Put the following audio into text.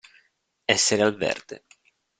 Essere al verde.